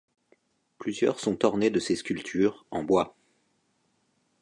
Plusieurs sont ornés de ses sculptures, en bois.